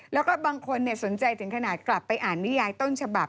แล้วก็บางคนสนใจถึงขนาดกลับไปอ่านนิยายต้นฉบับ